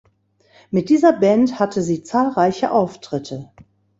Mit dieser Band hatte sie zahlreiche Auftritte.